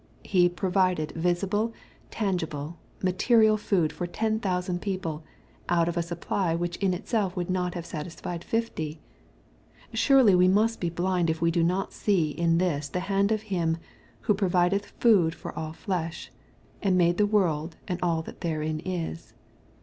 He provided visible, tangible, material food for ten thousand people, out of a supply which in itself would not have satisfied fifty. Surely we must be blind if we do not see in this the hand of Him " who proyideth food for all flesh," and made the world and all that therein is.